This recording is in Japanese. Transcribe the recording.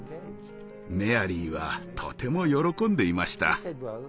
メアリーはとても喜んでいました。